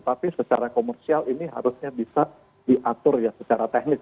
tapi secara komersial ini harusnya bisa diatur ya secara teknis